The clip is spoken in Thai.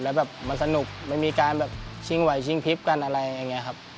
แล้วแบบมันสนุกไม่มีการแบบชิงไหวชิงพลิบกันอะไรอย่างนี้ครับ